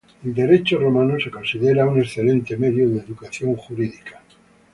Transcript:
El Derecho romano se considera un excelente medio de educación jurídica.